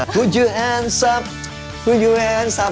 พูดยูแอนซั๊บพูดยูแอนซับ